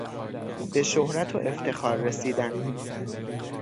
به شهرت و افتخار رسیدن